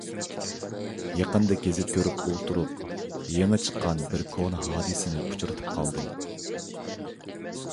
يېقىندا گېزىت كۆرۈپ ئولتۇرۇپ، يېڭى چىققان بىر كونا ھادىسىنى ئۇچرىتىپ قالدىم.